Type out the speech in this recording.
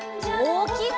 おおきく！